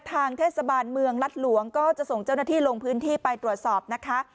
ทางเทศบาลเมืองรัฐหลวงก็จะส่งเจ้าหน้าที่ลงพื้นที่ไปตรวจสอบนะคะ